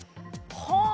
はあ！